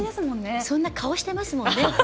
そんな顔してますもんね。